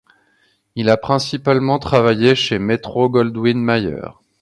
Il a principalement travaillé chez Metro-Goldwyn-Mayer.